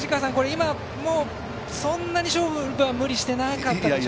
今、もうそんなに勝負は無理してなかったでしょうか。